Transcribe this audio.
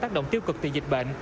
tác động tiêu cực từ dịch bệnh